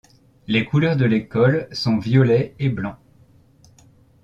Les couleurs de l'école sont violet et blanc.